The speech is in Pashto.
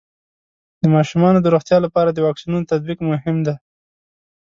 د ماشومانو د روغتیا لپاره د واکسینونو تطبیق مهم دی.